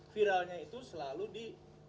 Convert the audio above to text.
viralnya itu selalu di